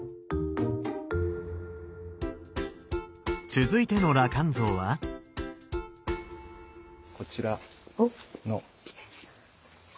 続いての羅漢像は？こちらの。